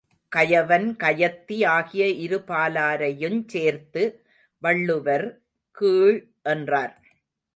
கயவன், கயத்தி ஆகிய இருபாலரையுஞ் சேர்த்து வள்ளுவர் கீழ் என்றார்.